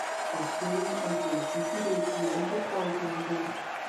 Australian archers competed at the Olympic qualifying event.